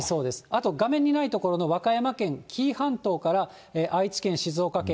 あと、画面にない所の和歌山県紀伊半島から愛知県、静岡県、